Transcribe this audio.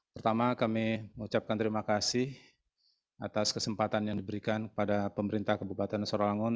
pertama kami mengucapkan terima kasih atas kesempatan yang diberikan kepada pemerintah kabupaten sarawangun